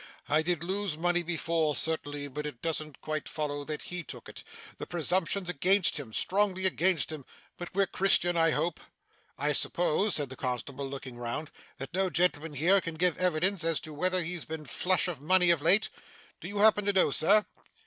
I did lose money before, certainly, but it doesn't quite follow that he took it. The presumption's against him strongly against him but we're Christians, I hope?' 'I suppose,' said the constable, looking round, 'that no gentleman here can give evidence as to whether he's been flush of money of late, Do you happen to know, Sir?